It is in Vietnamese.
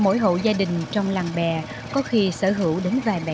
mỗi hộ gia đình trong làng bè có khi sở hữu đến vài bè